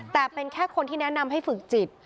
แต่เป็นแค่คนที่แนะนำให้ฝึกจิต